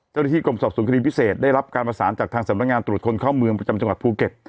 เจ้าหน้าที่กรมสอบสวนคดีพิเศษได้รับการประสานจากทางสำนักงานตรวจคนเข้าเมืองประจำจังหวัดภูเก็ต